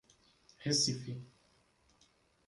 Recife